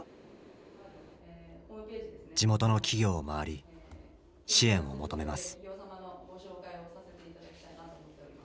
地元の企業を回り支援を求めます。